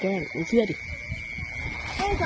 เข้าใจป่ะ